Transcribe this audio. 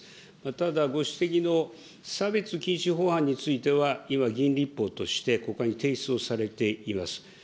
ただご指摘の差別禁止法案については、今議員立法として国会に提出をされています。